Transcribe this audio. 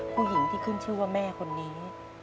ผู้หญิงที่ขึ้นชื่อว่าแม่คนนี้